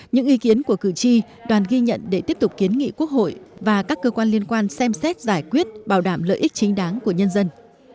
những ý kiến của cử tri đoàn ghi nhận để tiếp tục kiến nghị quốc hội và các cơ quan liên quan xem xét giải quyết bảo đảm lợi ích chính đáng của nhân dân